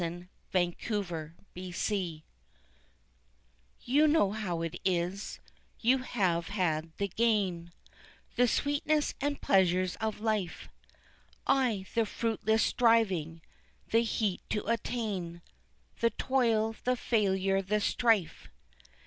] The Richer Man You know how it is you have had the gain, The sweetness and pleasures of life, I the fruitless striving, the heat to attain, The toil, the failure, the strife.